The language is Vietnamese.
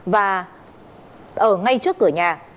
và ở ngay trước cửa nhà